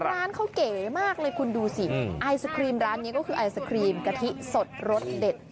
ร้านเขาเก๋มากเลยคุณดูสิไอศครีมร้านนี้ก็คือไอศครีมกะทิสดรสเด็ด